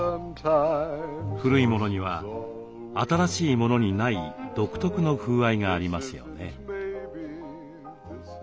古いものには新しいものにない独特の風合いがありますよね。